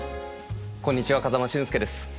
こんにちは風間俊介です。